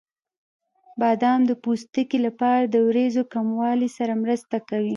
بادام د پوستکي لپاره د وریځو کموالي سره مرسته کوي.